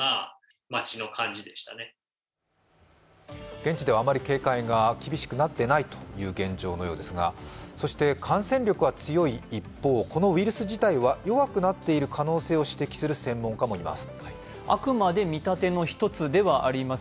現地ではあまり警戒が厳しくなっていないという現状のようですが、感染力は強い一方、このウイルス自体は弱くなっている可能性を指摘する専門家もいます。